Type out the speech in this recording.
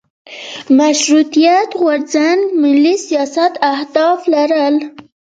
مشروطیت غورځنګ ملي سیاست اهداف لرل.